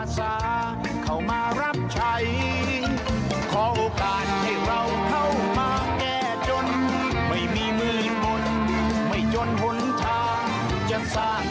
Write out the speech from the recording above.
ที่เคยฝันไว้ให้เป็นจริง